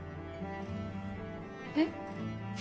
えっ？